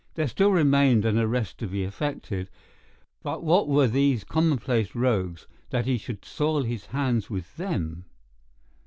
There still remained an arrest to be effected, but what were these commonplace rogues that he should soil his hands with them?